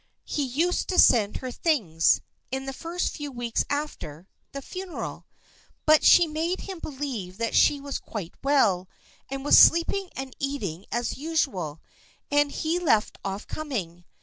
"He used to send her things, in the first few weeks after the funeral. But she made him believe that she was quite well, and was sleeping and eating as usual, and he left off coming.